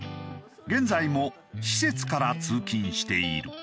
現在も施設から通勤している。